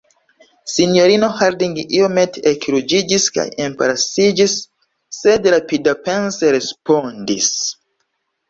Sinjorino Harding iomete ekruĝiĝis kaj embarasiĝis, sed rapidapense respondis: